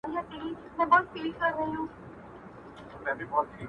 • اوس دي وخت دئ د خدایي را رسېدلی -